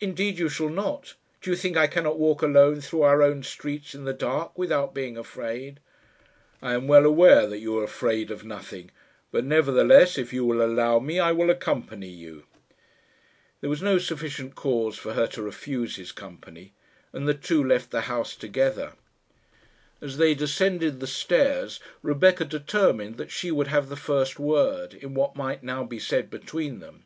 "Indeed you shall not. Do you think I cannot walk alone through our own streets in the dark without being afraid?" "I am well aware that you are afraid of nothing; but nevertheless, if you will allow me, I will accompany you." There was no sufficient cause for her to refuse his company, and the two left the house together. As they descended the stairs, Rebecca determined that she would have the first word in what might now be said between them.